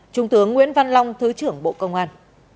trung tướng nguyễn văn long thứ trưởng bộ công an